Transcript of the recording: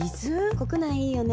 国内いいよね。